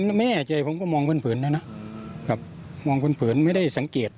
แต่ผมแม่ใจผมก็มองเปิ้ลเปิ้ลนะครับมองเปิ้ลเปิ้ลไม่ได้สังเกต